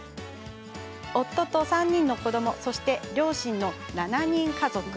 夫と３人の子どもそして両親の７人家族。